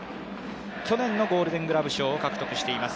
去年のゴールデングラブ賞を獲得しています。